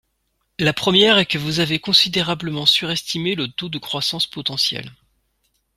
La première est que vous avez considérablement surestimé le taux de croissance potentielle.